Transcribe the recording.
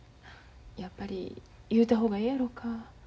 やっぱり言うた方がええやろか。